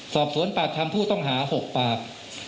สอบสวนปากคำผู้ต้องหา๖ปาก